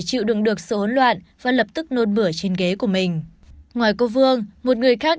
chịu đựng được sự hỗn loạn và lập tức nôn bửa trên ghế của mình ngoài cô vương một người khác